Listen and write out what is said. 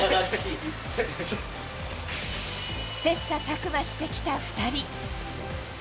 切磋琢磨してきた２人。